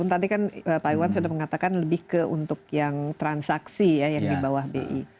jadi kan pak iwan sudah mengatakan lebih ke untuk yang transaksi ya yang di bawah bi